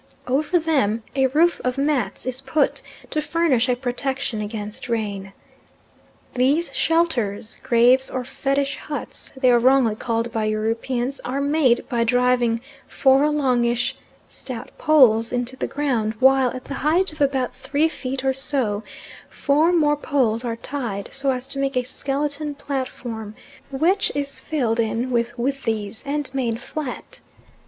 Over them a roof of mats is put, to furnish a protection against rain. These shelters graves or fetish huts they are wrongly called by Europeans are made by driving four longish stout poles into the ground while at the height of about three feet or so four more poles are tied so as to make a skeleton platform which is filled in with withies and made flat.